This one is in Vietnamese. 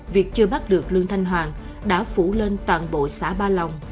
việc chưa bắt được lương thanh hoàng đã phủ lên toàn bộ xã ba lòng